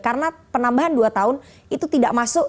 karena penambahan dua tahun itu tidak masuk